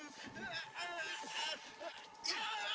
tengah main mas